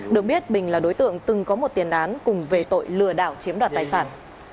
được biết bình là đối tượng từng có một tiền án cùng về tội lừa đảo chiếm đoạt tài sản